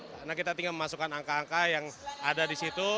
karena kita tinggal memasukkan angka angka yang ada di situ